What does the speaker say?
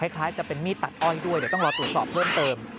คล้ายจะเป็นมีดตัดอ้อยด้วยเดี๋ยวต้องรอตรวจสอบเพิ่มเติม